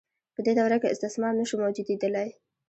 په دې دوره کې استثمار نشو موجودیدلای.